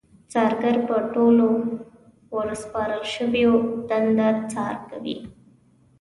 څارګر په ټولو ورسپارل شويو دنده څار کوي.